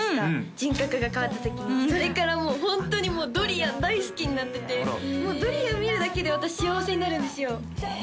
人格が変わった時にそれからもうホントにドリアン大好きになっててもうドリアン見るだけで私幸せになるんですよ